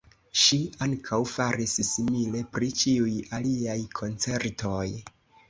Ŝi ankaŭ faris simile pri ĉiuj aliaj koncertoj.